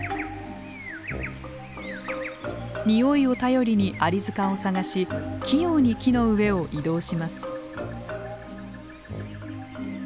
においを頼りにアリ塚を探し器用に木の上を移動します。